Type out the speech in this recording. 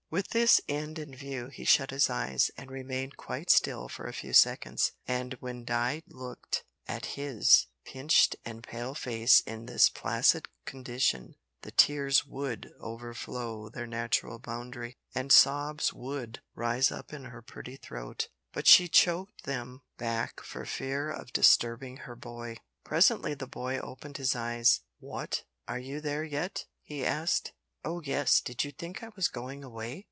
With this end in view he shut his eyes, and remained quite still for a few seconds, and when Di looked at his pinched and pale face in this placid condition, the tears would overflow their natural boundary, and sobs would rise up in her pretty throat, but she choked them back for fear of disturbing her boy. Presently the boy opened his eyes. "Wot, are you there yet?" he asked. "Oh yes. Did you think I was going away?"